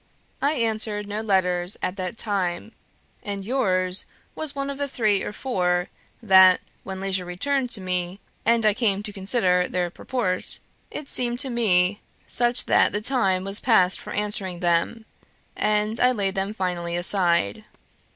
I answered no letters at that time, and yours was one of three or four that, when leisure returned to me, and I came to consider their purport, it seemed to me such that the time was past for answering them, and I laid them finally aside.